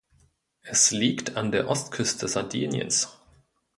Es liegt an der Ostküste Sardiniens.